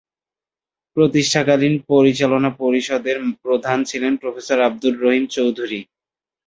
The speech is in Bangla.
প্রতিষ্ঠাকালীন পরিচালনা পরিষদের প্রধান ছিলেন প্রফেসর আবদুর রহিম চৌধুরী।